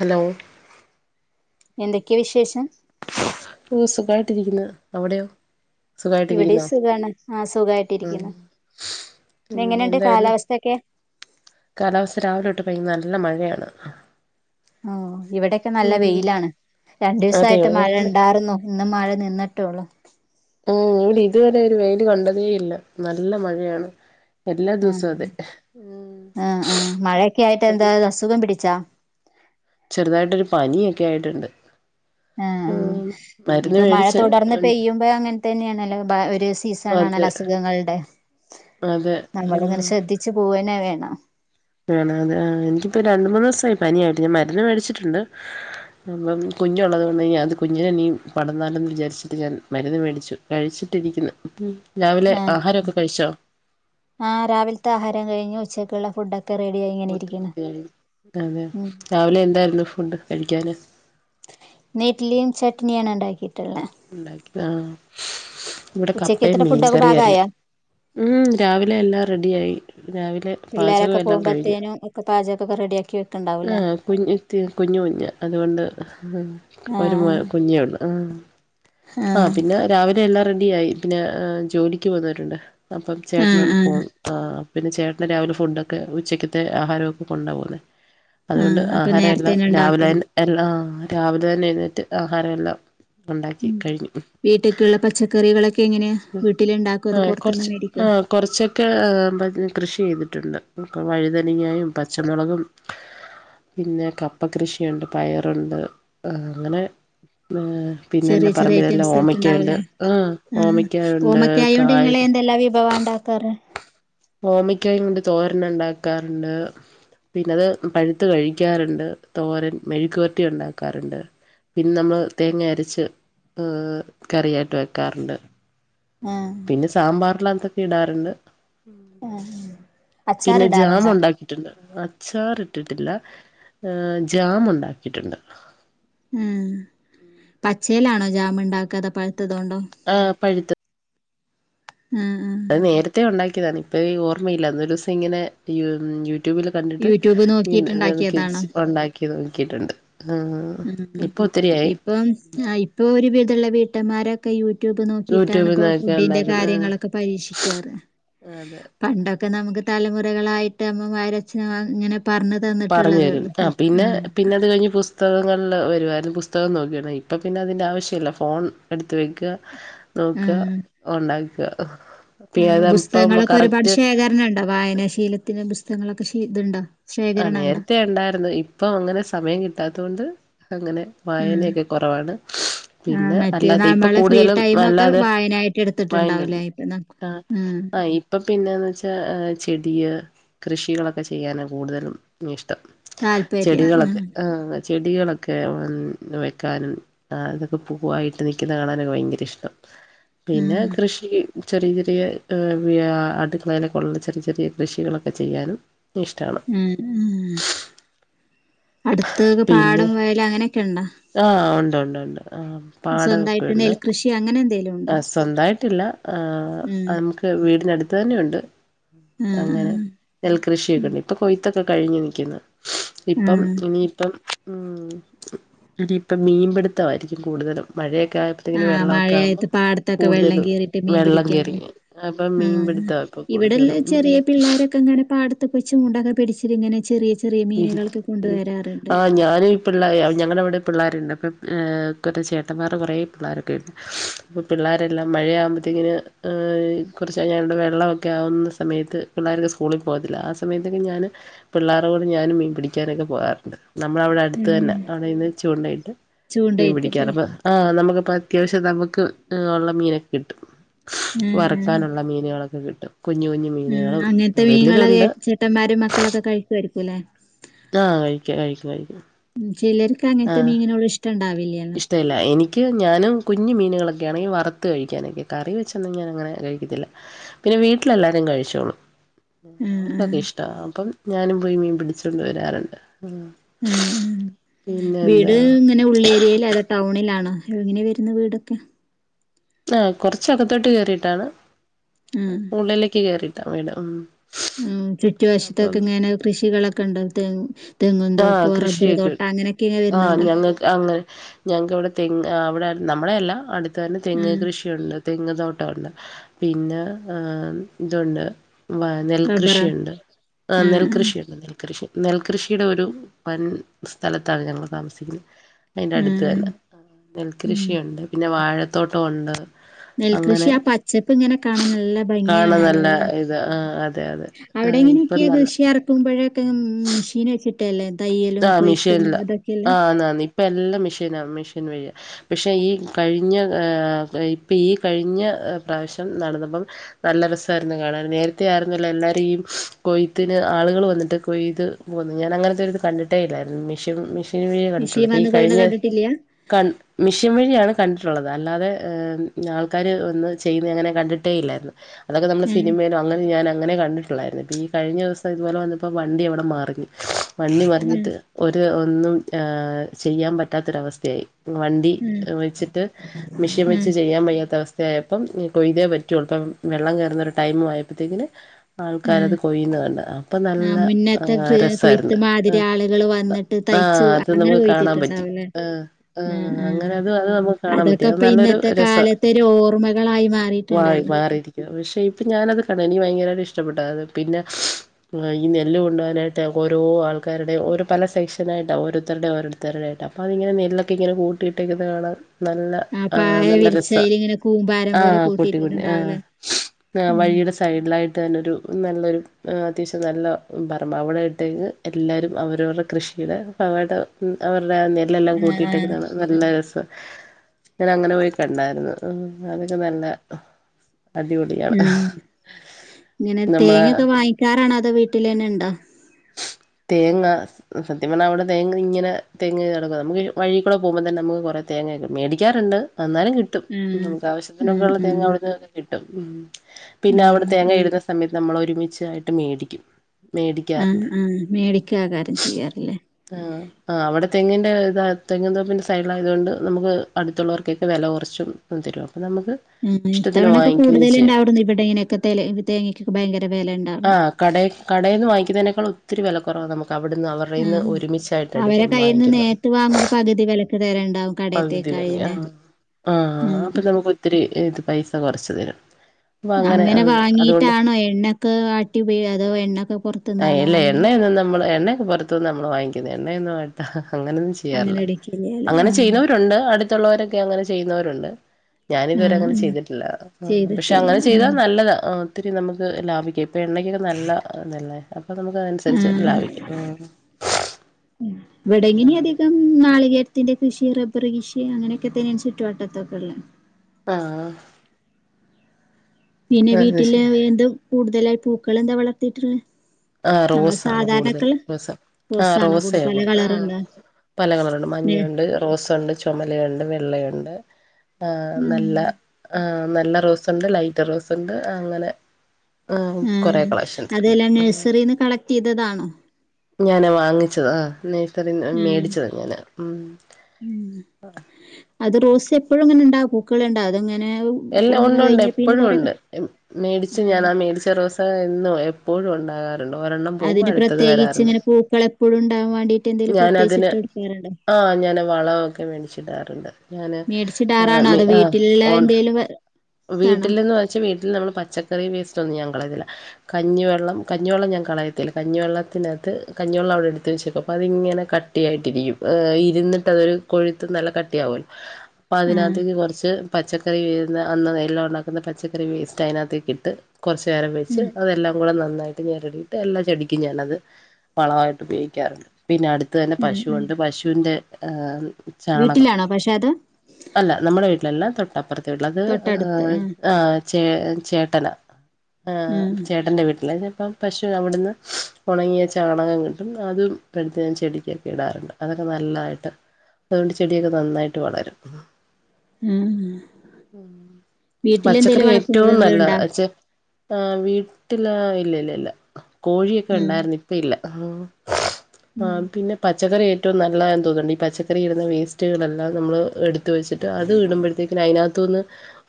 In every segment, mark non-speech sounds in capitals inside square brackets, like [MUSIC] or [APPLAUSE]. Hello. എന്തൊക്കെയ വിശേഷം. ഒ സുഖായിട്ടിരിക്കുന്നു അവിടെയോ? ഇവിടെ സുഖായിട്ടിരിക്കുന്നോ സുഖാണ് ആ ഉം സുഖായിട്ടിരിക്കുന്നു. ഉം എങ്ങനെണ്ട് എന്തായിരുന്നു കാലാവസ്ഥൊക്കെ? കാലാവസ്ഥ രാവിലെ ഒട്ട് വൈ നല്ല മഴയാണ് ആഹ് ഇവിടൊക്കെ നല്ല ഉം വെയിലാണ് അതെ രണ്ടുസായിട്ട് മഴ ണ്ടാർന്നു ഇന്ന് മഴ നിന്നിട്ടോള്ളൂ ഓ ഇവ്ടെ ഇതുവരെ ഒരു വെയില് കണ്ടതേ ഇല്ല നല്ല മഴയാണ് എല്ലാ ദിവസവും അതെ ആ ആ ഴൊക്കെ ആയിറ്റ് എന്താ അസുഖം പിടിച്ചാ ചെറുതായിട്ടൊരു പനിക്കെ ആയിട്ട്ണ്ട് ആ ആ ഇപ്പൊ മഴ മേടിച്ച് തുടർന്ന് ഉണ്ട്. പെയ്യുമ്പോ അങ്ങൻ തന്നെയാണല്ലോ ബ ഒരു സീസണ അതെ ണല് അസുഖങ്ങൾടെ അതെ നമ്മളിങ്ങനെ ശ്രദ്ധിച്ചു പോവന്നെ വേണം വേണ അത് ആ എനിക്കിപ്പോ രണ്ട് മൂന്നൊസയി പനായിട്ട് ഞാൻ മരുന്ന് കഴിച്ചിട്ടുണ്ട് പ്പം കുഞ്ഞുള്ളത് വന്നകയ്ഞ്ഞാ അത് കുഞ്ഞിന് എനീം പടന്നാലൊന്ന് വിചാരിച്ചിട്ട് ഞാൻ മരുന്ന് മേടിച്ചു കഴിച്ചി ട്ടിരിക്ക്‌ന്ന് ആ ആ രാവിൽത്ത ആഹാരം കഴിഞ്ഞു ഉച്ചക്കുള്ള ഫുഡൊക് [UNINTELLIGIBLE] അതെ ഉം രാവിലെ എന്തായിരുന്നു ഫുഡ് കഴിക്കാന് ന്ന് ഇഡ്ലിയും ചട്നിയാണ് ഇണ്ടാക്കിയിട്ട്ള്ളെ ഉണ്ടാക്കി ആഹ് ഇവിടെ കപ്പേം ഉച്ചക്കത്തെ മീൻ ഫുഡൊക്കെ കറിയാര്ന്ന്. പാകായാ ഉം രാവിലെ എല്ലാ റെഡിയായി രാവിലെ പാചകൊ എല്ലാം കഴിഞ്ഞു ഒക്ക റെഡിയാക്കി വെ ആ കുഞ്ഞ് തി കുഞ്ഞ് കുഞ്ഞ അതുകൊണ്ട് ഒരു മൊ ആഹ് കുഞ്ഞേയുള്ളു ആ ആ ആഹ് പിന്നെ രാവിലെ എല്ലാ റെഡി ആയി പിന്നെ ജോലിക്ക് പൊവ്ന്നവരുണ്ട് അപ്പം ചേട്ടന് ആഹ് അണ് ആഹ് പോം ആ പിന്നെ ചേട്ട്ന് രാവിലെ ഫുഡൊക്കെ ഉച്ചക്കത്തെ ആഹാരവൊക്കെ കൊണ്ട പോന്നെ അതുകൊണ്ട് ആഹ് അപ്പൊ ആഹാര എല്ലാം നേരത്തെന്നെ ഉണ്ടാക്കും രാവിലെന്നെ ആഹ് രാവിലെ തന്നെ എഴുന്നേറ്റ് ആഹാരവെല്ലാം ഉം വീട്ടീക്ക്‌ള്ള പച്ചക്കറികളൊക്കെ എങ്ങനെയാ വീട്ടിലുണ്ടാക്കോ ആ അതോ പുറത്തുനിന്ന് കൊറച്ച് മേടിക്കോ ആഹ് കൊർച്ചൊക്കെ അ കൃഷി ചെയ്യു ട്ട്ണ്ട് മ്ക്ക്‌ വഴിതനങ്ങായും പച്ചമുളകും പിന്നെ കപ്പ കൃഷിയുണ്ട് പയറുണ്ട് അങ്ങനെ ന്ന പിന്നെ ചെറിയ ചെറിയ പറമ്പ് എല്ലാം ഐറ്റംസ് ആയിട്ട് ഓമിക്കയുണ്ട് ഉണ്ടാവൂലേ ആ ഓമ ആഹ് ക്കയുണ്ട് ഓമക്കായോണ്ട് കായ് നിങ്ങള് എന്തെല്ലാം വിഭവാ ഉണ്ടാക്കാറ് ഓമിക്കായുണ്ട് തോരന് ഉണ്ടാക്കാറുണ്ട് പിന്നെ അത് പഴുത്ത് കഴിക്കാറ്ണ്ട് തോരൻ മെഴുക്ക്‌പര്ട്ടി ഉണ്ടാക്കാറ്ണ്ട് പിൻ നമ്മൾ തേങ്ങ അരച്ച് എ കറിയായിട്ട് വെക്കാറ്ണ്ട് ആഹ് പിന്നെ സാമ്പാറിലതൊക്കെ ഇടാറ്ണ്ട്. ആഹ് പിന്നെ ജാം അച്ചാറിടാറുണ്ടാ ഉണ്ടാക്കിട്ട്ണ്ട്. അച്ചാർ ഇട്ടിട്ടില്ല ഏ ജാം ഒണ്ടാക്കിട്ട്ണ്ട്. ഉം പച്ചയിലാണോ ജാമ് ണ്ടാക്ക അതൊ പ ആ പഴുത്ത ആ അത് നേരത്തെ ഉണ്ടാക്കിയതാണ് ഇപ്പൊ ഈ ഓർമ്മയില്ല അന്നൊരുസ ഇങ്ങനെ യൂ ട്യൂബിൽ കണ്ടിട്ട് യൂട്യൂബ് ഇന്ന് ന് കിഡ്സ്‌ നോക്കിട്ടുണ്ടാക്കിയതാണോ ഒണ്ടാക്കി നോക്കിയിട്ട്ണ്ട് ഉം ഉം ഇപ്പം ആ ഇപ്പൊ ഒരു വിധള്ള വീട്ടമ്മാരൊക്കെ യു ട്യൂബ് നോക്കിട്ടാണ് പ്പ ആ യൂട്യൂബിൽന്നൊക്കെ ഫുഡിന്റെ ഉണ്ടാക്കുന്നത് കാര്യങ്ങളൊക്ക പരീക്ഷിക്കാറ് ആഹ് അതെ പണ്ടൊക്ക നമുക്ക് തലമുറകളായിട്ട് അമ്മമരച്ചന് അങ്ങനെ പറഞ്ഞു തരും ആ പിന്നെ പിന്നെ അത് കഴിഞ് പുസ് തകങ്ങള്ല് വരുവാര്ന്നു പുസ്തകം നോക്കിയണ് ഇപ്പ പിന്നെ അതിന്റെ ആവശ്യവില്ല ഫോൺ എടുത്ത് വെക്ക നോക്ക ഒണ്ടാക്ക ആ പുസ്തകങ്ങളൊക്കെ ഒരുപാട് ശേഖര്ണ ണ്ടോ വായനാ ശീലത്തിന് പുസ്തകങ്ങളൊക്ക ശി തുണ്ടോ ആ നേരത്തെ ഉണ്ടായിര്ന്നു ഇപ്പൊ അങ്ങനെ സമയം കിട്ടാത്തോണ്ട് അങ്ങനെ ആഹ് വായനയൊക്കെ കൊറവാണ്. ആഹ് പിന്നെ മറ്റേ അല്ലാതെ ഇപ്പൊ നമ്മളെ ഫ്രീ കൂടുതലും ടൈം ഒക്കെ അല്ലാതെ വായനായിട്ട് എടുത്തിട്ടുണ്ടാവൂലേ വായന്നണ്ട് ഇപ്പൊ ന ആഹ് ആ ആ ഇപ്പൊ പിന്നെന്ന് വെച്ചാ ചെടിയ് കൃഷികളൊക്കെ ചെയ്യാനാ കൂടുതലും ഇഷ് താല്പര്യം ചെടികളൊക്കെ ആഹ് ആ. ചെടികളൊക്കെ വെക്കാനും അതൊക്കെ പൂവായിട്ട് നിൽക്കുന്ന കാണാനൊക്കെ ഭയങ്കര ഇഷ്ട്ട. പിന്നെ ആഹ് കൃഷി. ചെറിയ റിയ അടുക്കളയിലെക്കള്ളുള്ള ചെറിയ ചെറിയ കൃഷികളൊക്കെ ചെയ്യാനും ഇഷ്ട്ടാണ്. മ്മ് മ്മ്. അടുത്തൊക്കെ പാടം വയൽ അങ്ങനെ. ആ ഉണ്ട് ഉണ്ട് ണ്ട് ആ സ്വന്തമായിട്ട് പാടൊക്കെണ്ട്. നെൽകൃഷി അങ്ങനെ എന്തേലും ഉണ്ടോ ആ സ്വന്തായിട്ടില്ല ആ ഉം നമുക്ക് വീടിനടുത്ത് തന്നെയുണ്ട്. ആ ആ അങ്ങനെ നെൽകൃഷിയൊക്കെണ്ട് ഇപ്പൊ കൊയ്ത്തൊക്കെ കഴിഞ്ഞ് നിക്ക്ന്ന്. ഇപ്പം ആ ഇനിയിപ്പം. മ്മ് ഇപ്പ മീൻപിടുത്തായിരിക്കും കൂടുതലും മഴയൊ ക്കായപ്പത്തേന് ആ ഇങ്ങ വെള്ളൊക്കാവുമ്പോ. മഴയത്ത് പാടത്തൊക്കെ വെള്ളം കേറിറ്റ് മീൻ പിടിക്ക അപ്പം ആ മീൻപിടുത്തവാ ഇപ്പൊ ഇവിടെല്ല കൂടുതലും ചെറിയ ഉം പിള്ള പിളളാരൊക്കെങ്ങനെ പാടത്ത് കുയിച്ചുമൂടാൻപിടിച്ചിങ്ങനെചെറിയ ചെറിയ. മീനുകളൊക്കെ കൊണ്ടുവരാറുണ്ട് ആ ഞാനും ഈ പിള്ളേര് ഞങ്ങളവിടെ പിള്ളേരുണ്ട്. ഇപ്പറ്റ ചേട്ടന്മാർ കുറേ പിള്ളേരൊക്കെ ഉണ്ട് അപ്പം പിള്ളേരെല്ലാം മഴയാകുമ്പഴത്തേക്കനും. കുറച്ച് ഞാണ്ട് വെള്ളമൊക്കെ ആവുന്ന സമയത്ത് പിള്ളേരൊക്കെ സ്കൂളിൽ പോകത്തില്ല ആ സമയത്ത് ഞാൻ. പിള്ളേരെ കൂടെ ഞാനും മീൻ പിടിക്കാനൊക്കെ പോകാറുണ്ട് നമ്മളവിടെ അടുത്ത് ഉം തന്നെ അവിടെന്ന് ചൂണ്ടയിട്ട്. മീൻ ചൂണ്ടയിട്ടിട്ട് പിടിക്കാനപ്പൊ ആഹ നമ്മുകിപ്പൊ അത്യാവശ്യ നമുക്ക് ഉള്ള മീനൊക്കെ കിട്ടും. ഉം ഉം വറുക്കാനുള്ള മീനുകളൊക്കെ കിട് ഉം അങ്ങനത്തെ മീനങ്ങളെ ഏ ചേട്ടന്മാരും മക്കളൊക്കെ കഴിക്കുമായിരിക്കുല്ലേ. ആഹ കഴിക്കാം കഴിക്കും കഴിക്കും. ചിലർക്ക് അങ്ങനത്തെ മീനിനോട്‌ ഇഷ്ടണ്ടാവില്ലേ. ഇഷ്ടല്ല എനിക്ക് ഞാനും കുഞ്ഞു മീ ങ്ങളൊക്കെ ആണെങ്കിൽ വറുത്തു കഴിക്കാനൊക്കെ കറി വെചൊന്നും ഞാ അങ്ങനെ കഴിക്കത്തില്ല പിന്നെ വീട്ടിലെല്ലാരും കഴിച്ചോളൂ. ആ അവർക്കൊക്കെ ഇഷ്ട അപ്പം ഞാനും പോയി മീൻ പിടിച്ചൊണ്ട് വരാറുണ്ട്. മ്മ് പിന്നെ വീട് എന്താ ഇങ്ങനെ ഉളേരിയൽ അല്ല ട്ടൗണാണ് ണിലാണോ എങ്ങനെ വരുന്നു വീടൊക്കെ? ആ കുറച്ചകത്തോട്ട് കേറിട്ടാണ് ഉള്ളിലേക്ക് കേറിയിട്ടാ വീട് മ്മ്. മ്മ് ചുറ്റുവശത്തൊക്കെ ഇങ്ങനെ കൃഷികളൊക്കെ ഉണ്ട് തേങ് തേങിൻ ആഹ് തോപ്പ് റബ്ബർ കൃഷിയൊക്കെ തോട്ട അങ്ങനെയൊക്കെ ഇങ്ങെ വരുന്നുണ്ട. ഞങ്ങക്കിവിടെ തെങ്ങ് അവിടെ നമ്മള അല്ല അടുത്ത തന്നെ തെങ്ങ് ആഹ് കൃഷിയുണ്ട്. തെങ്ങ് തോട്ടമുണ്ട് പിന്നെ ഇതുണ്ട്. റബ്ബറാ നെൽകൃഷിയുണ്ട് ആ ആഹ് നെൽകൃഷിയുണ്ട് നെൽകൃഷി നെൽകൃഷി. ട്ടിയുടെ ഒരു വൻ സ്ഥലത്താണ് ഞങ്ങൾ താമസിക്കുന്നത്. അതിന്റെ ആഹ് അടുത്ത് ആഹ് തന്നെ ഉം നെൽകൃഷിയുണ്ട് പിന്നെ വാഴത്തോട്ടുണ്ട്. നെൽകൃഷി ആ പച്ചപ്പ് ഇങ്ങനെ കാണാൻ നല്ല ഭംഗിയാണ് കാണാൻ നല്ല അലല്ലെ. ഇത് ആഹ് അതെ അതെ അവിടെങ്ങനെയൊക്കെയ ഇപ്പം നല്ല കൃഷി ഇറക്കുമ്പോഴൊക്കെ മെഷീൻ വെച്ച് ആഹ മിഷീനല്ല ആഹ് നന്ദി. ഇപ്പ എല്ലാം മെഷീനാണ് മെഷീൻ വഴിയ പക്ഷെ ഈ കഴിഞ്ഞ ഇപ്പം ഈ കഴിഞ്ഞ. പ്രാവശ്യം നടന്നപ്പം നല്ല രസമായിരുന്നു കാണാൻ നേരത്തെ ആയിരുന്നല്ല എല്ലാരും കൊയ്ത്തിന്. ആളുകൾ വന്നിട്ട് കൊയ്ത് പോകുന്നു ഞാൻ അങ്ങനത്തെ ഒരിത് കണ്ടി ട്ടെല്യായിരുന്നു മെഷൻ മെഷീൻ വഴിയ മെഷീൻ കണ്ടിട്ടുള്ളത് ഈ വന്ന് കൊയ്യണ കഴിഞ്ഞ കണ്ടിട്ടില്ല ക മെഷീൻ വഴിയാണ് കണ്ട് തട്ടുള്ളത് അല്ലാതെ ആൾക്കാര് ഒന്ന് ചെയ്യുന്ന അങ്ങനെ കണ്ടിട്ടേ ഇല്ലായിരുന്നു. അതൊക്കെ നമ്മള് ആഹ് സിനമേലും അങ്ങനെ ഞാൻ അങ്ങനെ കണ്ടിട്ടുള്ളായിരുന്നു പിന്നെ ഈ കഴിഞ്ഞ ദിവസം ഇതുപോലെ വന്നപ്പോ വണ്ടി അവിടെ മറിഞ് വണ്ടി മറിഞ്ഞി ആഹ് ഒരു ഒന്നും ഏ ചെയ്യാൻ പറ്റാത്തൊരവസ്ഥയായി. വണ്ടി ആഹ് വെച്ചിട്ട് മിഷീൻ ആഹ് വെച്ച് ചെയ്യാൻ പയ്യാത്ത അവസ്ഥ യപ്പം കൊയ്തേ പറ്റുള്ള ഇപ്പ വെള്ളം കയറുന്നരു ടൈം ആയപ്പോത്തേക്കിന്. ആഹ് ആൾക്കാരത് കൊയ്യുന്ന കണ്ട്, അപ്പൊ ആ നല്ല ആ മുന്നത്തെ കൃ കൊയ്ത്ത് രസായിരുന്ന് മാതിരി ആളുകള് വന്നിട്ട് ആഹാ തയ്ച്ചു അത് അങ്ങനെ നമുക്ക് കാണാൻ പറ്റി, കൊയ്തിട്ടുണ്ടാവുംല്ലേ? ആ ആ ആ അങ്ങനെ അതും അത് നമുക്ക് കാണാൻപറ്റി അതൊക്കെ [UNINTELLIGIBLE] ഇപ്പൊ നല്ല രു ഇന്നത്തെ രസ. കാലത്തെ ഒരു ഓർമ്മകളായി മാറിയിട്ടുണ്ടല്ലോ. മാറിരിക്ക പക്ഷെ ഇപ്പ ഞാനത് കണ്ട് ഇൻക് ഭയങ്കര ഇഷ്ടപ്പെട്ടത് പിന്നെ ഈ നെല്ല് കൊണ്ടോകാനായിട്ട് ഓരോ ആൾക്കാരുടെ ഓരോ പല സെക്ഷനായിട്ട ഓരോരുത്ത ർടെ ഓരോരുത്തരുടെയായിട്ട, അപ്പ അതിങ്ങന നെല്ലൊക്കെ ഇങ്ങനെ കൂട്ടിട്ടേക്കുന്നത് കാണാം നല്ല ആ പായ നല്ല രസി വിരിച്ചയില് ഇങ്ങനെ കൂമ്പാരം ആ പോലെ കൂട്ടിക്കൂട്ടി ആ കൂട്ടിയിട്ടിട്ടുണ്ടാവുംല്ലേ? ആ ഉം വഴിയുടെ സൈഡിലായി ഞാനൊരു നല്ലൊരു അത്യാവശ്യം നല്ല പറമ്പാ അവിടെ ഇട്ടെങ്ങ് എല്ലാവരും അവരവരുടെ കൃഷിയുടെ പാടം അവരുടെ ആ നെല്ലെല്ലാം ആ ആ കൂട്ടിയിട്ടേക്കുന്നത് നല്ല രസാ ഞൻ അങ്ങനെ പോയിക്കണ്ടായിരുന്നു ഉം അതൊക്കെ നല്ല അടിപൊളിയാണ് ഉം ഹും ഇങ്ങനെ തേങ്ങൊക്കെ വാങ്ങിക്കാറാണോ അതോ വീട്ടിലെന്നെ ഇണ്ടോ? തേങ്ങാ സത്യം പറഞ്ഞാ അവിടെ തേങ്ങ ഇങ്ങനെ തേങ്ങത് നടക്കും നമുക്ക് വഴീ കൂടെ പോകുമ്പോൾ തന്നെ നമുക്ക് കുറെേ തെ തേങ്ങ മേടിക്കാറുണ്ട് എന്നാലും കിട്ടും ആ നമുക്ക് ആ ആവശ്യത്തിനൊക്ക ഉള്ള ആ തേങ്ങ അവിടൊക്കെ കിട്ടും ഉം പിന്നെ അവിടെ തേങ്ങ ആ ഇടുന്ന സമയത്ത് നമ്മൾ ഒരുമിച്ചായിട്ട് മേടിക്കും. മേട് ആഹ് ആഹ മേടിക്കാകാരം ചെയ്യാറില്ലേ ആഹ് ആഹ് അവിടെ തെങ്ങിൻ്റെ ഇതത് തെങ്ങിൻ തോപ്പിൻ്റെ സൈഡിലായത്കൊണ്ട് നമുക്ക് അടുത്തുളളവർക്കൊക്ക വെല കുറച്ചും ഒ തരുവോ? അപ്പോം നമുക്ക് ആ ഇഷ്ടത്തിന് ഇത്തവണൊക്കെ വാങ്ങിക്കുകയും കൂടുതൽ ചെയ്യാം ഇണ്ടാവു ഇവിടെ ഇങ്ങനെയൊക്കെ തേങ്ങക്കൊക്കെ ഭയങ്കര വില ഉണ്ടാർന്ന് കടയിന്ന് വാങ്ങുന്നതിനേക്കാളും ഒത്തിരി വില കുറവ നമുക്ക് അവിടുന്ന് അവര്ടെന്ന് ആഹ് ഒരുമിച്ചായിട്ട് അവരെ എടുക്കും കയ്യിന്ന് വാങ്ങിക്കുന്ന നേരിട്ട് വാങ്ങുമ്പോ പകുതി വിലക്ക് തരണ്ടാവും കടയത്തേക്കായില്ലേ [UNINTELLIGIBLE] [UNINTELLIGIBLE] ആ ഉം അപ്പൊ നമുക്ക് ഒത്തിരി ഇത് പൈസ കുറച്ച് തരും. അങ്ങനെ അതുകൊണ്ട് വാങ്ങീട്ടാണോ എണ്ണൊക്കെ ആട്ടി പയോ അതോ എണ്ണക്കെ പുറത്ത്ന്ന് ആ ഇല്ല എണ്ണയൊന്നും നമ്മള് എണ്ണയൊക്കെ പുറത്തുന്ന് നമ്മള് വാങ്ങിക്കുന്ന എണ്ണയൊന്നും [UNINTELLIGIBLE] അങ്ങനെയൊന്നും അങ്ങനെ ചെയ്യാറില്ല. എടുക്കില്ലല്ലേ അങ്ങനെ ആഹ് ചെയ്യുന്നവരുണ്ട് അടുത്തുള്ളവരൊക്കെ അങ്ങനെ ചെയ്യുന്നവരുണ്ട് ഞാാനിതുവരെ ആഹ് അങ്ങനെ ഉം ചെയ്തിട്ടില്ല. പക്ഷെ ചെയ്തിട്ടില്ല അങ്ങനെ ചെയ്താൽ ഉം നല്ലതാണ് ആ ഒത്തിരി നമുക്ക് ലാഭിക്കാം ഇപ്പോ എണ്ണക്കൊക്കെ നല്ല ഇത ല്ലേ അപ്പൊ നമുക്ക് അതനുസരിച്ച് ആഹ് ലാഭിക്കും ആ ഇവിടെയിങ്ങനെ അധികം നാളികേ ത്തിന്റെ കൃഷി, റബ്ബർ കൃഷി അങ്ങനൊക്കെ തന്നെ ചുറ്റുവ ട്ടത്തൊക്കെ ഉള്ളെ ആഹ് പിന്നെ അത് വീട്ടില് ശരി എന്ത കൂടുതലായി പൂക്കൾ എന്താ വളർത്തിട്ട്ള്ളെ? ആഹ റോസാണ് കൂടുതൽ റോസ്. ആ റോസാണോ കൂടു റോസയാ പല കൂടുതൽ കളറുണ്ടോ പല കളറുണ്ട് നെ മഞ്ഞയുണ്ട്, റോസ് ഉണ്ട് ചുമലയുണ്ട് വെ ള്ളയുണ്ട് ആ നല്ല ആഹ് ഏ നല്ല റോസ് ഉണ്ട്, ലൈറ്റ് റോസ് ഉണ്ട്, അങ്ങനെ കുറേ കളക്ഷൻസ് ഉണ്ട് നഴ്സറീന്ന് കളക്ട് ചെയ്തതാണോ? ഞാനാ വാങ്ങിച്ചത് ആ അത് ഉം മേടിച്ചത് ഞാനാ ഉം ഉം. അത് റോസ് എപ്പഴുംങ്ങനെണ്ട പൂക്കള്ണ്ടാ അതെ എല്ല ഉണ്ട് ഉണ്ട് എപ്പോഴും ഉണ്ട് മേടിച്ച് ആഹ് ഞാൻ ആ മേടിച്ച ദിവസ എന്നും എപ്പോഴും ഉണ്ടാകാർ അതിന് പ്രത്യേകിച്ച് ഇങ്ങനെ പൂക്കൾ എപ്പോഴും ഉണ്ടാവാൻവാണ്ട ഞാനതിന് ആ ഞാൻ വളമൊക്കെ മേടിച്ചിടാറ്ണ്ട് ഞാന് അ മേടിച്ചിടാറാണോ അതോ ആ ആ വീട്ടിലുള്ള ഓ എന്തേലും വ- ഇതാണോ? വീട്ടിൽന്ന് വെച്ചാ വീട്ടിൽ നമ്മൾ പച്ചക്കറി വേസ്റ്റൊന്നും ഞാൻ കളയത്തില്ല. കഞ്ഞിവെള്ളം കഞ്ഞിവെള്ളം ഞാൻ കളയത്തില്ല, കഞ്ഞിവെള്ളത്തിനകത്ത് കഞ്ഞിവള്ളം അവിടെ എടുത്ത് വെച്ചേക്കും അപ്പം അതിങ്ങനെ കട്ടിയായിട്ട് ഇരിക്കും ഇരിന്നിട്ട് അതൊ കൊഴുത്ത് നല്ല കട്ടിയാവും അ ആഹ് അതിനത്തേ കൊറച്ച് പച്ചക്കറി വ ന്താ അന്ന് നെല്ലാം ഉണ്ടാക്കുന്ന പച്ചക്കറി വേസ്റ്റ് അതിനകത്തേക്കക്ക് ഇട്ട് കുറച്ച് നേരം വെച്ച് ഉം അതെല്ലാം കൂടെ നന്നായിട്ട് ഞെരടിട്ട് എല്ലാ ചെടിക്കും ഞാനത് വളമായിട്ട് ഉപയോഗിക്കാറുണ്ട് പിന്നെ അടുത്ത തന്നെ ഉം ഉം പശുണ്ട് പശുവിന്റെ ഉം ചാണകം വീട്ടിലാണോ പക്ഷെ അത് അല്ല നമ്മുടെ വീട്ടിലല്ല തൊട്ടപ്പുറത്തൊള്ള [INAUDIBLE] ആ തൊട്ടടുത്ത് ആഹ് ആ ചേ ചേട്ടന ആ ആഹ് ചേട്ടന്റെ വീട്ടില പ്പം പശു അവിടുന്ന് ഒണങ്ങിയ ചാണകം കിട്ടും അതും എടുത്ത് [UNINTELLIGIBLE] ചെടിക്കൊക്കെടാറ്ണ്ട് [UNINTELLIGIBLE] നല്ലതായിട്ട് അതുകൊണ്ട് ചെടിയൊക്കെ നന്നായിട്ട് വളരും ആഹ് മ്മ് പച്ചക്കറി വീട്ടിലെന്തേലും ഏറ്റവും നല്ലാ വളർത്തുമൃഗങ്ങളുണ്ടോ? ച്ചേ ആ വീട്ടില ഇല്ല ഇല്ല ഇല്ല കോഴിയൊക്കെ ആഹ് ഉണ്ടായിരുന്നു ഇപ്പൊ ഇല്ല ആ ഉം പി [UNINTELLIGIBLE] പച്ചക്കറി ഏറ്റവും നല്ലതെന്ന് തോന്നുണ്ട് ഈ പച്ചക്കറി ഇടുന്ന വേസ്റ്റുകളെല്ലാം നമ്മൾ എടുത്ത് എത്ത് വെച്ചിട്ട് അത് വിടുമ്പഴ്ത്തേക്ക് അതിനാത്ത്ന്ന്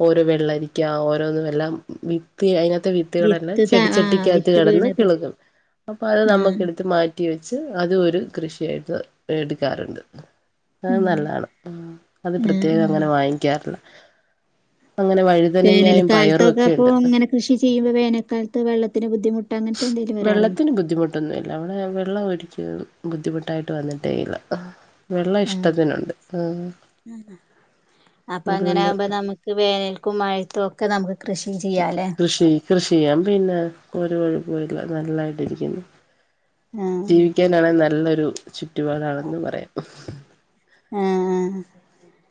ഓരോ വെള്ളരിക്ക ഓരോന്നും എല്ലാം വിത്തി അതിന വിത്ത് വിത്തുകളല്ല വിത്ത് ത ആഹ് ചെടിച്ചട്ടിക്കകത്ത് വിത്ത് കിടന്ന് വീണത് കിളുകും അപ്പൊ അത് നമുക്ക് ആഹ് എടുത്ത് മാറ്റി വെച്ച് അത് ഒരു കൃഷിയായിട്ട് എടുക്കാറുണ്ട് അ ഉം നല്ലതാണ് അത് ആഹ് പ്രത്യേകം ആഹ് അങ്ങനെ വാങ്ങിക്കാറില്ല അങ്ങനെ വഴുതനങ്ങായും പയറും ഒക്കെ വേനൽക്കാലത്തൊക്കെപ്പൊ ഉണ്ട് ങ്ങനെ കൃഷി ചെയ്യുമ്പോ വേനക്കാലത്ത് വെള്ളത്തിന് ബുദ്ധിമുട്ട [UNINTELLIGIBLE] വെള്ളത്തിന് ബുദ്ധിമുട്ടൊന്നുല്ല അവ്ടെ വെ വെള്ളം ഒഴിക്കുന്നത് ബുദ്ധിമുട്ടായിട്ട് വന്ന്ട്ടേ ഇല്ല ആ അപ്പൊ അങ്ങനെ അതുകൊണ്ട് ആമ്പോ നമ്മുക്ക് വേന മഴത്തു ഒക്കെ [UNINTELLIGIBLE] ചെയ്യാലേ കൃഷി കൃഷിയാൻ പിന്നെ ഒരു കൊഴപ്പോല്ല നല്ലായിട്ടിരിക്കുന്നു ആഹ് ജീവിക്കാനാണെ നല്ലൊരു ചുറ്റുപാടാണെന്ന് പറയാം ആഹ്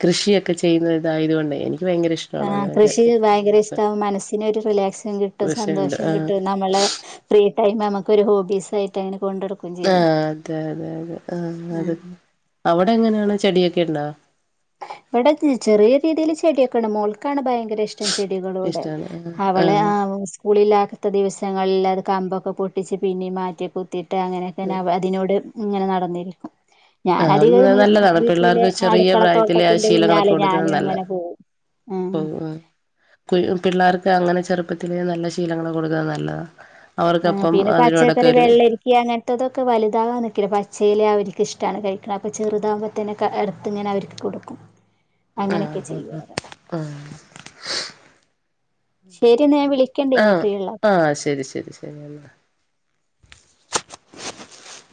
കൃഷിയൊക്കെ ചെയ്യുന്ന ഇതായതുകൊണ്ട് എനിക്ക് ഭയങ്കര ആ ഇഷ്ടമാണ് അങ്ങനെയൊക്കെ കൃഷി ഭയങ്കര ഉള്ളത് ഇഷ്ടാവ മനസ്സിന് ഒരു റിലാക്സും കിട്ടും വിഷയുണ്ട് സന്തോഷം ആഹ് കിട്ടും നമ്മളെ ഫ്രീ ടൈം നമുക്കൊരു ഹോബീസ് ആയിട്ടാണ് ആ അതെതെതെ ആ അതെ ആഹ് അവിടെ എങ്ങനെയാണ് ചെടിയൊക്കെ ഉണ്ടാ ഇവിടെ ചെറിയ രീതിയിൽ ചെടിയൊക്കെയണ് മോൾക്കാണ് ഭയങ്കര ഭയങ്കര ഇഷ്ടം ചെടികളോട് ഇഷ്ടാണ് ആഹ് അവളെ ആഹ് സ്കൂളിലകാത്ത ദിവസങ്ങളിൽ കമ്പൊക്കെ പൊട്ടിച്ച് പിന്നെം മാറ്റി കുത്തീട്ട് അങ്ങനെയൊക്കെനാ അതിനോട് ഇങ്ങനെ നടന്നീട്ട് ആ നല്ലതാണ് പിള്ളേർക്ക് ചെറിയ പ്രായത്തി അടുക്കളത്തോട്ടത്തിന്റെ ശീലങ്ങളൊക്കെ പിന്നാലെ കൊടുക്കുന്നത് ഞാനും നല്ല അങ്ങനെ പോകും ആ പിള്ളാർക്ക് അങ്ങനെ ചെറുപ്പത്തിലേ നല്ല ശീലങ്ങള് കൊടുക്കുന്ന നല്ലതാണ് ആ അവർക്കപ്പം പിന്നെ അതിനോടൊക്കെ പച്ചക്കറി ഒരു വെള്ളരിക്ക അങ്ങനത്തെതൊക്കെ വലുതാകാൻ നൊക്കിണ്ട് പച്ചയില അവര് ഇഷ്ടാണ് കഴിക്ക്ണ അപ്പ ചെറുതാമ്പത്തേനക്ക എടുത്തിങ്ങനെ അവര്ക്ക് കൊടുക്കും അങ്ങനെയൊക്കെ ആഹ് ആഹ് ചെയ്യാറ് ശെരിന്ന ഞ ആ ആ ശരി ശരി ശരി [INAUDIBLE]